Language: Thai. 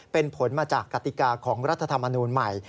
เป็นผลมาจากกติกาของรัฐธรรมนูลใหม่